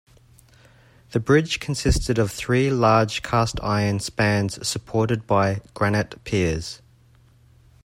The bridge consisted of three large cast-iron spans supported by granite piers.